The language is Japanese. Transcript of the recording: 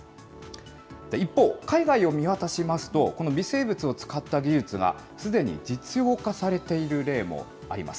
一方、海外を見渡しますと、この微生物を使った技術が、すでに実用化されている例もあります。